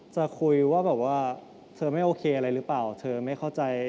จะคุยว่าแบบว่าเธอไม่โอเคอะไรหรือเปล่าเธอไม่เข้าใจ